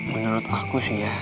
menurut aku sih ya